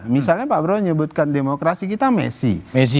misalnya pak prabowo menyebutkan demokrasi kita messi